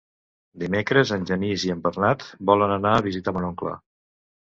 Dimecres en Genís i en Bernat volen anar a visitar mon oncle.